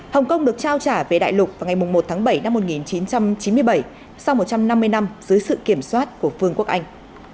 hồng kông được trao trả về đại lục vào ngày một tháng bảy năm một nghìn chín trăm chín mươi bảy sau một trăm năm mươi năm dưới sự kiểm soát của vương quốc anh